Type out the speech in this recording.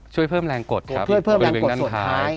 เพื่อเพิ่มแรงกดส่วนท้าย